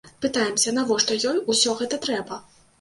Пытаемся, навошта ёй ўсё гэта трэба?